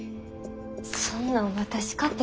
そんなん私かて。